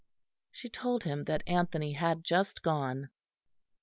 She told him that Anthony had just gone.